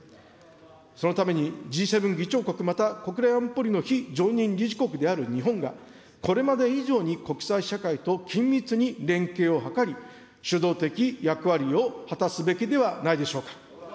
そのためにＧ７議長国、また国連安保理の非常任理事国である日本が、これまで以上に国際社会と緊密に連携を図り、主導的役割を果たすべきではないでしょうか。